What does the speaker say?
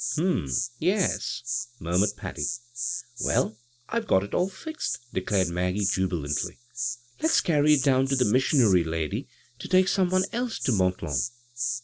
" Hm m, yes," murmured Patty. " Well, 1 ve got it all fixed," declared Mag gie, jubilantly. " Let's carry it down to the missionary lady to take some one else to Mont Lawn."